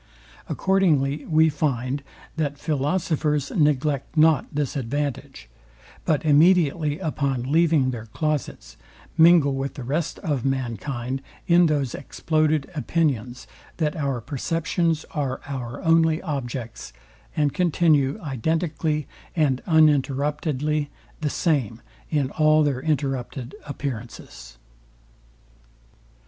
Accordingly we find, that philosophers neglect not this advantage; but immediately upon leaving their closets, mingle with the rest of mankind in those exploded opinions, that our perceptions are our only objects, and continue identically and uninterruptedly the same in all their interrupted appearances.